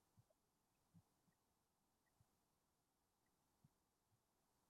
This seat is reserved for the Buddhist monastic community (Sangha) of Sikkim.